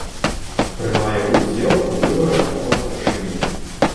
Прымае ўдзел у выбарах яго старшыні.